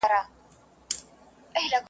چي بدل سي په ټولنه کي کسبونه .